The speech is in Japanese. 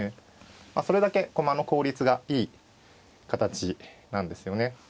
それだけ駒の効率がいい形なんですよね。